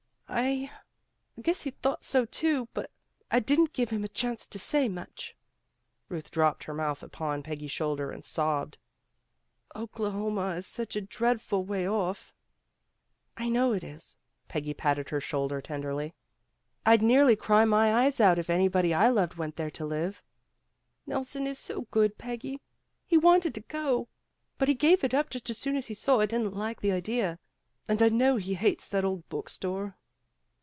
"I I guess he thought so, too, but I didn't give him a chance to say much. " Euth dropped her head upon Peggy's shoulder and sobbed. "Oklahoma is such a dreadful way off." "I know it is," Peggy patted her shoulder tenderly. "I'd nearly cry my eyes out if any body I loved went there to live." "Nelson is so good, Peggy. He wanted to go, but he gave it up just as soon as he saw I didn't like the idea. And I know he hates that old book store."